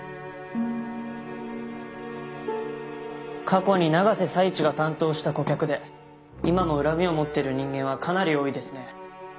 過去に永瀬財地が担当した顧客で今も恨みを持ってる人間はかなり多いですね